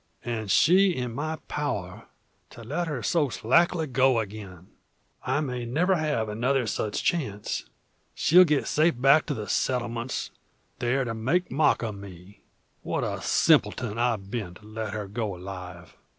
"And she in my power, to let her so slackly go again! I may never have another such chance. She'll get safe back to the settlements, there to make mock of me! What a simpleton I've been to let her go alive!